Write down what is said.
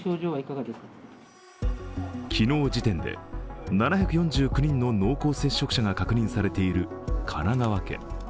昨日時点で７４９人の濃厚接触者が確認されている神奈川県。